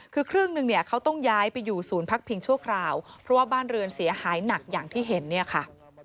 คือครึ่งหนึ่งเนี่ยเขาต้องย้ายไปอยู่ศูนย์พักพิงชั่วคราวเพราะว่าบ้านเรือนเสียหายหนักอย่างที่เห็นเนี่ยค่ะ